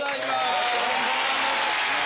よろしくお願いします。